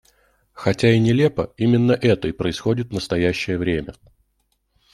Хотя и нелепо, именно это и происходит в настоящее время.